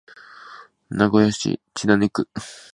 名古屋市千種区